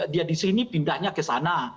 dia di sini pindahnya ke sana